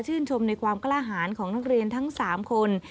ชมในความกล้าหารของนักเรียนทั้ง๓คน